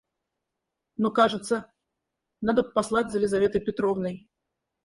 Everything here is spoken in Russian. Но кажется... Надо послать за Лизаветой Петровной.